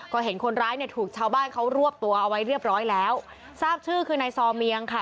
ก็เห็นคนร้ายเนี่ยถูกชาวบ้านเขารวบตัวเอาไว้เรียบร้อยแล้วทราบชื่อคือนายซอเมียงค่ะ